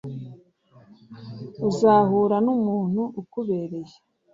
uzahura numuntu ukubereye.